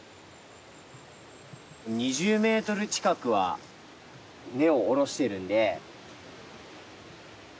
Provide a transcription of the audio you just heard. ２０メートル近くは根を下ろしてるんで。